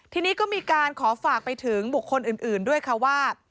ทีนี้ก็มีการขอฝากไปถึงบุคคลอื่นด้วยค่ะว่า